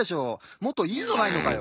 もっといいのないのかよ？